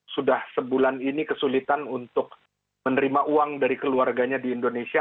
sudah sebulan ini kesulitan untuk menerima uang dari keluarganya di indonesia